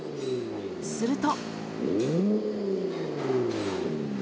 すると。